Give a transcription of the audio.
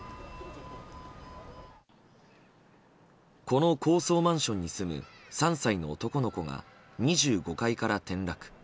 この高層マンションに住む３歳の男の子が２５階から転落。